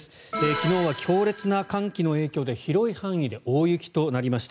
昨日は強烈な寒気の影響で広い範囲で大雪となりました。